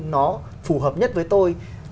nó phù hợp nhất với tôi